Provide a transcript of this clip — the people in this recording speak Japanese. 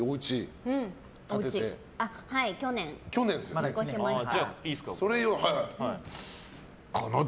去年、引っ越しました。